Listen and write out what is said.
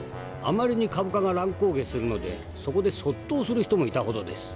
あまりに株価が乱高下するのでそこで卒倒する人もいたほどです。